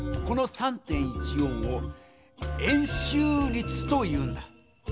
この３．１４を「円周率」というんだ。